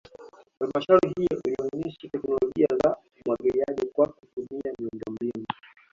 Halmashauri hiyo ilionesha teknolojia za umwagiliaji kwa kutumia miundombinu